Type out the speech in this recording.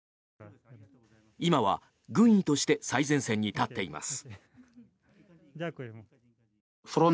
今は軍医として最前線に立っています。